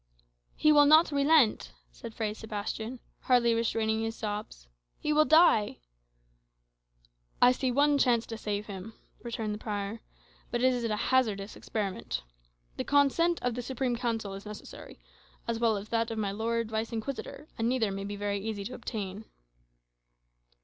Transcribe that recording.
"He will not relent," said Fray Sebastian, hardly restraining his sobs. "He will die." "I see one chance to save him," returned the prior; "but it is a hazardous experiment. The consent of the Supreme Council is necessary, as well as that of my Lord Vice Inquisitor, and neither may be very easy to obtain."